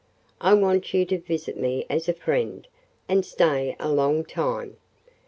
I want you to visit me as a friend, and stay a long time.